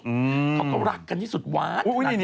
เขาก็รักกันที่สุดหวาน